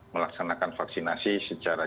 melaksanakan vaksinasi secara